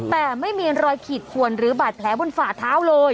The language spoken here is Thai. แต่ไม่มีรอยขีดขวนหรือบาดแผลบนฝ่าเท้าเลย